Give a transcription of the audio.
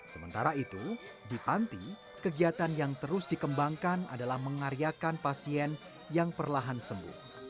sementara itu di panti kegiatan yang terus dikembangkan adalah mengaryakan pasien yang perlahan sembuh